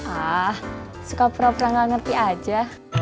ah suka pura pura nggak ngerti aja